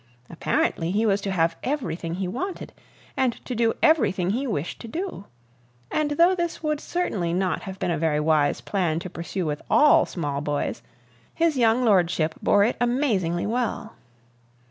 Apparently, he was to have everything he wanted, and to do everything he wished to do. And though this would certainly not have been a very wise plan to pursue with all small boys, his young lordship bore it amazingly well.